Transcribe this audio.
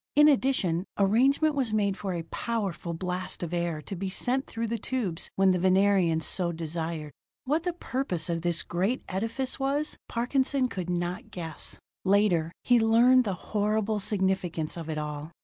In addition, arrangement was made for a powerful blast of air to be sent through the tubes when the Venerians so desired. What the purpose of this great edifice was, Parkinson could not guess: later, he learned the horrible significance of it all.